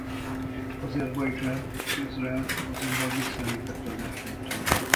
Azerbajdzsán és Izrael azonban visszalépett a versenytől.